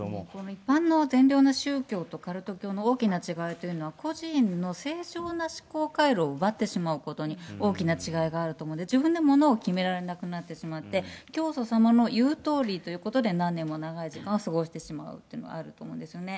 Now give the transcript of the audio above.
一般の善良な宗教とカルト教の大きな違いというのは、個人の正常な思考回路を奪ってしまうことに大きな違いがあると思うんで、自分でものを決められなくなってしまって、教祖様の言うとおりということで、何年も長い時間を過ごしてしまうというのはあると思うんですよね。